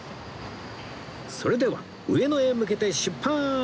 それでは上野へ向けて出発！